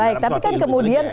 baik tapi kan kemudian